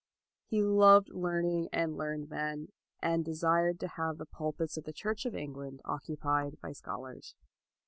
He loved learning and learned men, and desired to have the pulpits of the Church of England occupied by scholars.